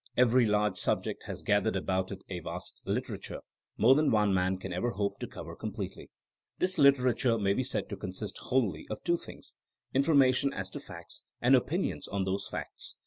Every large subject has gathered about it a vast literature, more than one man can ever hope to cover completely. This literature may be said to consist wholly of two things : infor mation as to facts, and opinions on those facts.